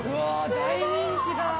大人気だ。